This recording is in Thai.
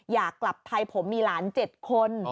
อยากกลับไทยผมมีหลาน๗คน